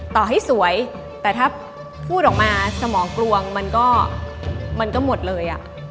ต่อให้สวยแต่ถ้าพูดออกมาสมองกลวงมันก็มันก็หมดเลย